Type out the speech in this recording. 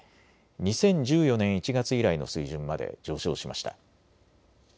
２０１４年１月以来の水準まで上昇しました。